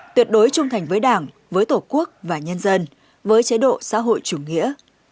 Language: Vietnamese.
tuyệt đối trung thành với đảng với tổ quốc và nhân dân với chế độ xã hội chủ nghĩa